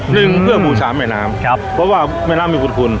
หนึ่งเพื่อบูชาแม่น้ำครับเพราะว่าแม่น้ำมีคุณคุณ